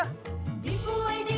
mbak mbak mbak